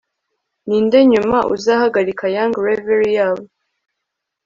Ninde nyuma uzahagarika young reverie yabo